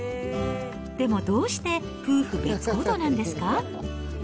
でもどうして夫婦別行動なんですか？